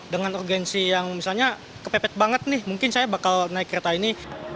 dengan urgensi yang misalnya kepepet banget nih mungkin saya bakal naik kereta ini